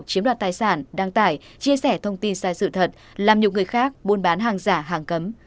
chiếm đoạt tài sản đăng tải chia sẻ thông tin sai sự thật làm nhiều người khác buôn bán hàng giả hàng cấm